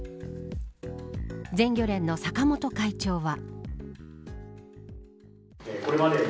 全漁連の坂本会長は。